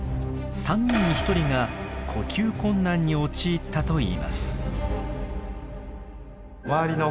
３人に１人が呼吸困難に陥ったといいます。